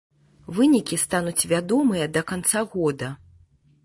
Вынікі стануць вядомыя да канца года.